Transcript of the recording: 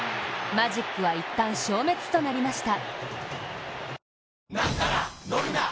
マジックは一旦消滅となりました。